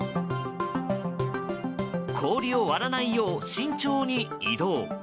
氷を割らないよう、慎重に移動。